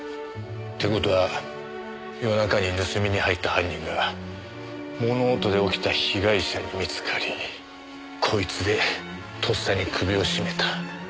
って事は夜中に盗みに入った犯人が物音で起きた被害者に見つかりこいつでとっさに首を絞めた。